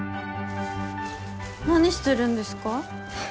何してるんですか？